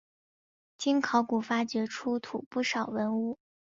经考古发掘出土不少文物。